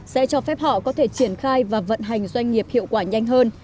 sẽ cho phép họ có thể triển khai và vận hành doanh nghiệp hiệu quả nhanh hơn